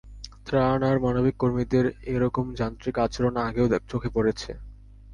ত্রাণ আর মানবিক কর্মীদের এ রকম যান্ত্রিক আচরণ আগেও চোখে পড়েছে।